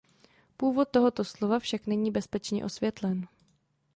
Původ tohoto slova však není bezpečně osvětlen.